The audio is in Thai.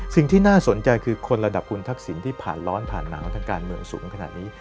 สิ่งที่น่าสนใจคือคนระดับคุณทักษิณที่ผ่านร้อนผ่านหนังทางการเมืองสูงขนาดนี้